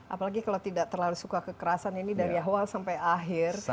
apalagi kalau tidak terlalu suka kekerasan ini dari awal sampai akhir